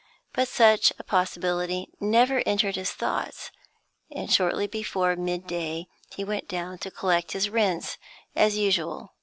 But such a possibility never entered his thoughts, and, shortly before mid day, he went down to collect his rents as usual.